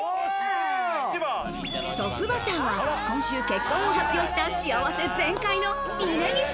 トップバッターは今週、結婚を発表した、幸せ全開の峯岸。